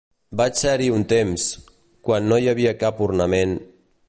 Vaig ser-hi un temps, quan no hi havia cap ornament...